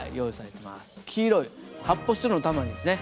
黄色い発泡スチロールの球にですね